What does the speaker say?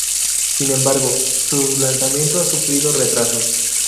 Sin embargo, su lanzamiento ha sufrido retrasos.